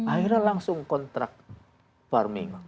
akhirnya langsung kontrak farming